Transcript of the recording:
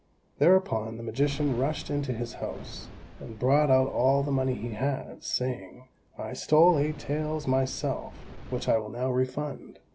Thereupon, the magician rushed into his house, and brought out all the money he had, saying, "I stole eight taels myself, which I will now refund."